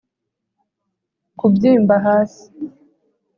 kubyimba hasi;